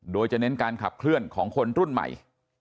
โดยจะเน้นการขับเคลื่อนของคนรุ่นใหม่